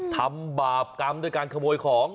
ทำบาปกรรมด้วยการขโมยของ